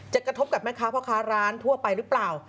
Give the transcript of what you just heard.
จะกระทบกับแม่ข้าวเพราะข้าร้านทั่วไปหรือเปล่า